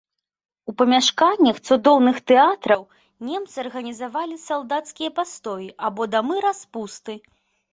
У памяшканнях цудоўных тэатраў немцы арганізавалі салдацкія пастоі або дамы распусты.